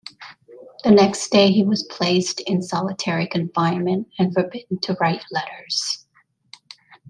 The next day he was placed in solitary confinement and forbidden to write letters.